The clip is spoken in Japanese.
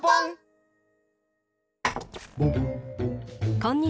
こんにちは。